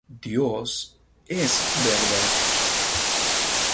Dios "es" Verdad.